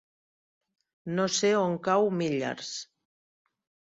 No sé on cau Millars.